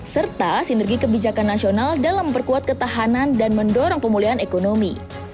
serta sinergi kebijakan nasional dalam memperkuat ketahanan dan mendorong pemulihan ekonomi